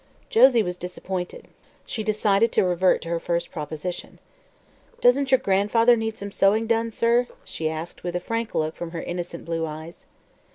Josie was disappointed. She decided to revert to her first proposition. "Doesn't your granddaughter need some sewing done, sir?" she asked, with a frank look from her innocent blue eyes.